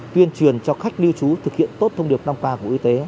tuyên truyền cho khách lưu trú thực hiện tốt thông điệp năm qua của y tế